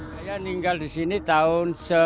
saya tinggal di sini tahun